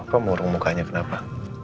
kok murung mukanya kenapa